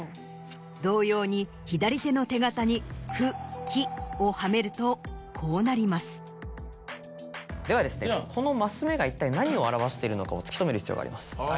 同様に左手の手形に「くき」をはめるとこうなりますではこの升目が一体何を表しているのかを突き止める必要があります。